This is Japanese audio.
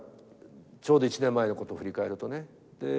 ちょうど１年前のことを振り返るとね。